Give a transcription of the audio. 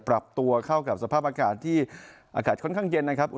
ปรับตัวเข้ากับสภาพอากาศที่อากาศค่อนข้างเย็นนะครับ